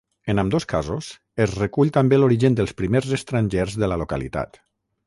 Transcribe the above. En ambdós casos, es recull també l'origen dels primers estrangers de la localitat.